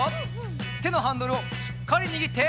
てのハンドルをしっかりにぎって。